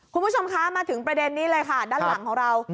คุณผู้ชมคะมาถึงประเด็นนี้เลยค่ะด้านหลังของเรา